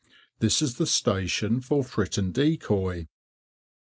This is the station for Fritton Decoy.